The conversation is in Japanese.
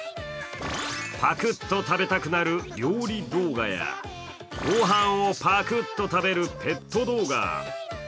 パクっと食べたくなる料理動画や、御飯をパクっと食べるペット動画。